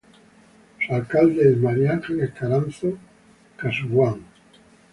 Su alcalde es María Ángeles Caranzo-Casubuán.